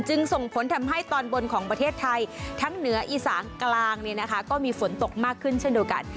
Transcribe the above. ส่งผลทำให้ตอนบนของประเทศไทยทั้งเหนืออีสานกลางก็มีฝนตกมากขึ้นเช่นเดียวกัน